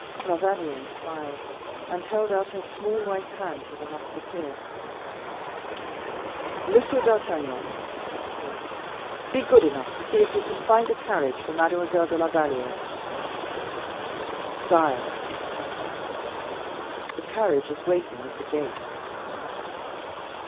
La Valliere smiled, and held out her small white hand to the musketeer. "Monsieur d'Artagnan," said the king, "be good enough to see if you can find a carriage for Mademoiselle de la Valliere." "Sire," said the captain, "the carriage is waiting at the gate."